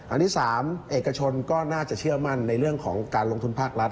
อันที่๓เอกชนก็น่าจะเชื่อมั่นในเรื่องของการลงทุนภาครัฐ